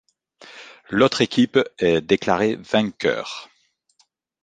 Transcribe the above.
L'autre équipe est déclarée vainqueur.